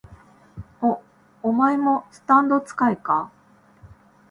お、お前もスタンド使いか？